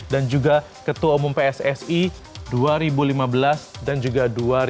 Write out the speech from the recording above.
dan juga ketua umum pssi dua ribu lima belas dan juga dua ribu enam belas